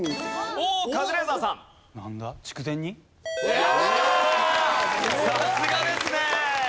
いやさすがですね！